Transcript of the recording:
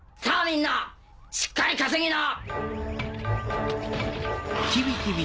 みんなしっかり稼ぎな！